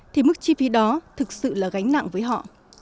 thì mức chi phí đó thực sự là gánh nặng với họ